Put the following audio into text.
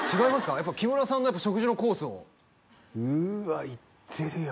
やっぱ木村さんの食事のコースをうわ行ってるよ